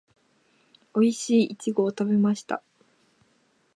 おいしいイチゴを食べました